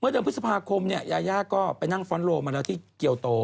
เดือนพฤษภาคมเนี่ยยายาก็ไปนั่งฟ้อนโลมาแล้วที่เกียวโต